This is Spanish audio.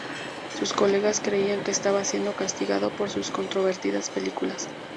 Sus colegas creían que estaba siendo castigado por sus controvertidas películas.